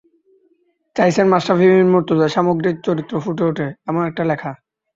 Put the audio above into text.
চাইছেন মাশরাফি বিন মর্তুজার সামগ্রিক চরিত্র ফুটে ওঠে, এমন একটা লেখা।